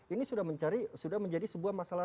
ini sudah mencari sudah menjadi sebuah masalah